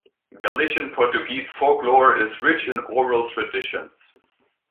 Galician-Portuguese folklore is rich in oral traditions.